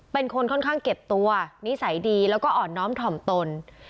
เป็นคนค่อนข้างเก็บตัวนิสัยดีแล้วก็อ่อนน้อมถ่อมตน